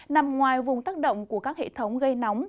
nằm ngoài vùng tác động của các hệ thống gây nóng